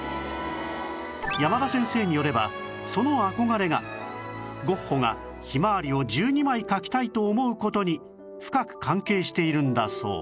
山田先生によればその憧れがゴッホが『ひまわり』を１２枚描きたいと思う事に深く関係しているんだそう